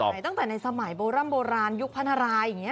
ใช่ตั้งแต่ในสมัยโบราณยุคพนธารายย์อย่างนี้